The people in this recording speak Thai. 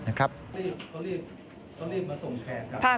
เขารีบมาส่งแผล